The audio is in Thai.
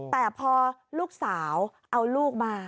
แต่พอลูกสาวเอาลูกมา